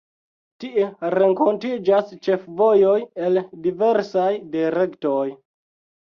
Tie renkontiĝas ĉefvojoj el diversaj direktoj.